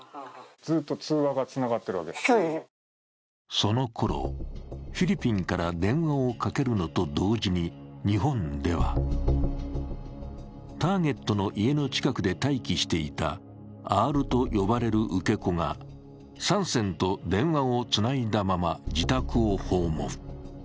そのころフィリピンから電話をかるのと同時に日本では、ターゲットの家の近くで待機していたＲと呼ばれる受け子が３線と電話をつないだまま自宅を訪問。